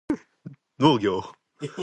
農業